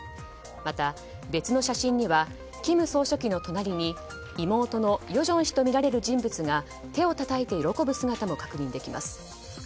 また、別の写真には金総書記の隣に妹の与正氏とみられる人物が手をたたいて喜ぶ姿も確認できます。